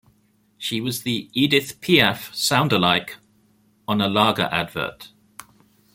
She was the Edith Piaf soundalike on a lager advert.